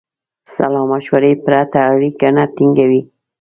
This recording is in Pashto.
سلامشورې پرته اړیکې نه ټینګوي.